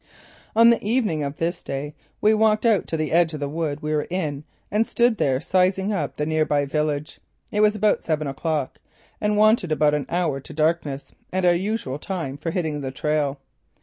On the evening of this day we walked out to the edge of the wood we were in and stood there sizing up the near by village. It was about seven o'clock and wanted about an hour to darkness and our usual time for hitting the trail.